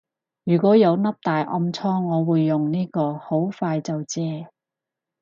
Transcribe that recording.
如果有粒大暗瘡我會用呢個，好快就謝